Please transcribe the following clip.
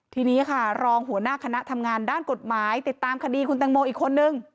ทีนี้ค่ะรองหัวหน้าคณะทำงานด้านกฎหมายติดตามคดีคุณแตงโมอีกคนนึง